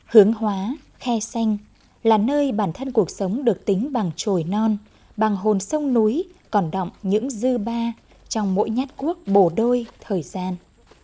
hướng hóa khe xanh là nơi bản thân cuộc sống được tính bằng trồi non bằng hồn sông núi còn đọng những dư ba trong mỗi nhát quốc bổ đôi thời gian